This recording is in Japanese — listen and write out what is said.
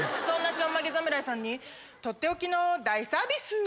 そんなちょんまげ侍さんにとっておきの大サービス。